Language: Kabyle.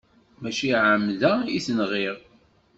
Mačči ɛemda i t-nɣiɣ.